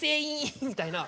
みたいな。